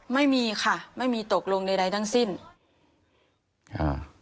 ไม่มีค่ะไม่มีตกลงใดใดทั้งสิ้นอ่า